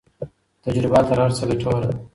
تجربه تر هر څه ګټوره ده.